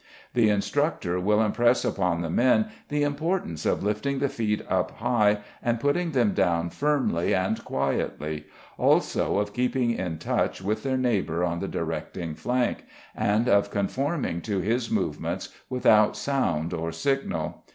The instructor will impress upon the men the importance of lifting the feet up high and putting them down firmly and quietly, also of keeping in touch with their neighbour on the directing flank, and of conforming to his movements without sound or signal.